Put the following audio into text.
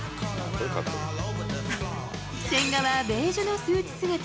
千賀はベージュのスーツ姿。